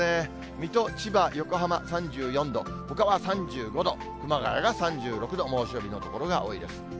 水戸、千葉、横浜３４度、ほかは３５度、熊谷が３６度、猛暑日の所が多いです。